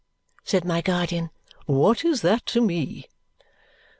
said my guardian. "What is that to me?"